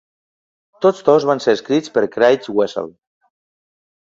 Tots dos van ser escrits per Craig Wessel.